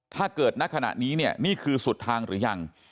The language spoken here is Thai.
ณขณะนี้เนี่ยนี่คือสุดทางหรือยัง